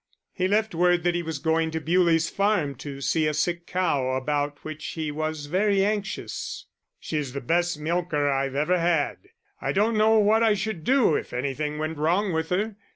He left word that he was going to Bewlie's Farm to see a sick cow, about which he was very anxious. "She's the best milker I've ever had. I don't know what I should do if anything went wrong with her.